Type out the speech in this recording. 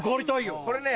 これね